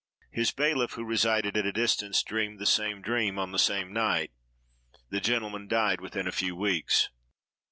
His bailiff, who resided at a distance, dreamed the same dream on the same night. The gentleman died within a few weeks.